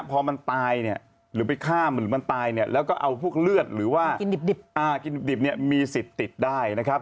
พอมันตายเนี่ยหรือไปฆ่ามันหรือมันตายเนี่ยแล้วก็เอาพวกเลือดหรือว่ากินดิบเนี่ยมีสิทธิ์ติดได้นะครับ